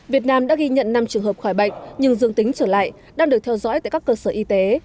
việt nam đã ghi nhận năm trường hợp khỏi bệnh nhưng dương tính trở lại đang được theo dõi tại các cơ sở y tế